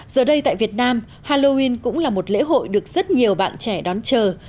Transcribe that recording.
giờ đây tại việt nam halloween cũng là một lễ hội được rất nhiều bạn trẻ đón chờ